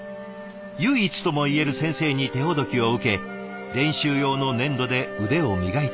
唯一ともいえる先生に手ほどきを受け練習用の粘土で腕を磨いています。